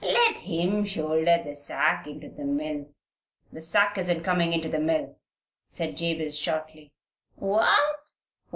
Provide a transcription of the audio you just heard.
Let him shoulder the sack into the mill." "The sack isn't coming into the mill," said Jabez, shortly. "What?